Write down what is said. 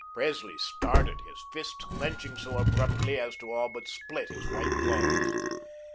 Presley started, his fists clenching so abruptly as to all but split his white gloves.